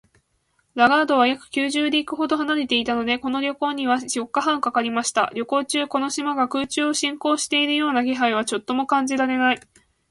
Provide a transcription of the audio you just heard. ラガードは約九十リーグほど離れていたので、この旅行には四日半かかりました。旅行中、この島が空中を進行しているような気配はちょっとも感じられない